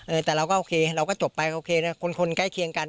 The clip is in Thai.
แต่เราก็โอเคเราก็จบไปโอเคนะคนคนใกล้เคียงกัน